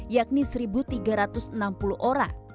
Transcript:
yakni satu tiga ratus enam puluh orang